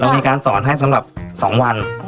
มีการสอนให้สำหรับ๒วัน